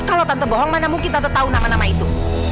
kalau tanpa bohong mana mungkin tante tahu nama nama itu